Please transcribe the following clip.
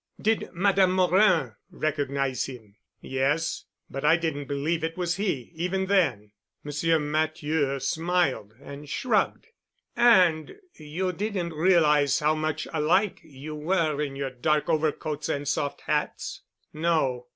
"Did Madame Morin recognize him?" "Yes. But I didn't believe it was he—even then." Monsieur Matthieu smiled and shrugged. "And you didn't realize how much alike you were in your dark overcoats and soft hats?" "No."